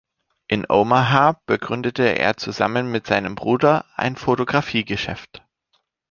In Omaha begründete er zusammen mit seinem Bruder ein Fotografie-Geschäft.